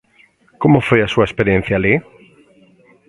Como foi a súa experiencia alí?